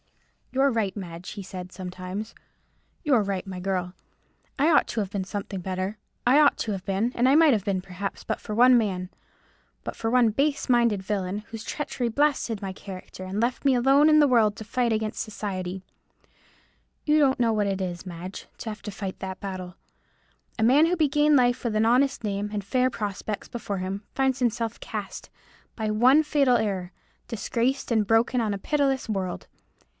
"You're right, Madge," he said sometimes, "you're right, my girl. I ought to have been something better; I ought to have been, and I might have been, perhaps, but for one man—but for one base minded villain, whose treachery blasted my character, and left me alone in the world to fight against society. You don't know what it is, Madge, to have to fight that battle. A man who began life with an honest name, and fair prospects before him, finds himself cast, by one fatal error, disgraced and broken, on a pitiless world.